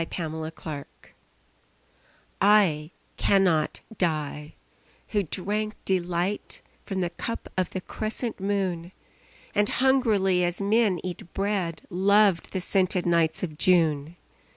The Wine I cannot die, who drank delight From the cup of the crescent moon, And hungrily as men eat bread, Loved the scented nights of June.